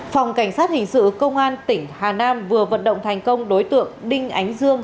phòng cảnh sát hình sự công an tỉnh hà nam vừa vận động thành công đối tượng đinh ánh dương